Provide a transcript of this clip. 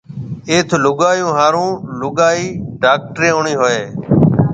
ايٿ لوگايون ھارو لوگائيَ ڊاڪروڻيَ ھيََََ